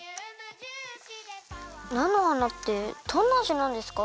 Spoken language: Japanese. なのはなってどんなあじなんですか？